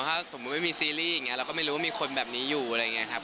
ถ้าสมมุติไม่มีซีรีส์อย่างนี้เราก็ไม่รู้ว่ามีคนแบบนี้อยู่อะไรอย่างนี้ครับ